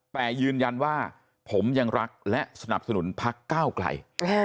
แต่ยืนยันว่าผมยังรักและสนับสนุนพักก้าวไกล